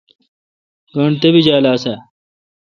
گانٹھ تپیجال آسہ۔؟